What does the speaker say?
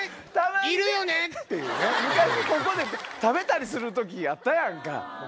昔ここで食べたりする時あったやんか。